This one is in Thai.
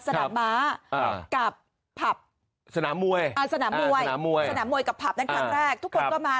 สนามบ๊าสนามบ๊วยสนามบ๊วยกับผับนั่นครั้งแรกทุกคนก็มา